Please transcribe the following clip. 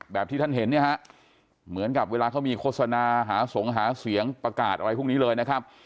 ที่ท่านเห็นเนี่ยฮะเหมือนกับเวลาเขามีโฆษณาหาสงฆ์หาเสียงประกาศอะไรพวกนี้เลยนะครับ